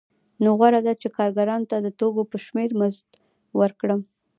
نو غوره ده چې کارګرانو ته د توکو په شمېر مزد ورکړم